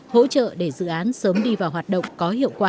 hỗ trợ để dự án sớm đi vào hoạt động có hiệu quả